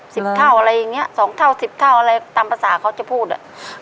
สิบเท่าอะไรอย่างเงี้ยสองเท่าสิบเท่าอะไรตามภาษาเขาจะพูดอ่ะ